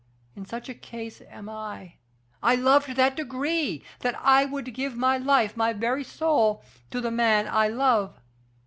in such a case am I! I love to that degree, that I would give my life, my very soul, to the man I love.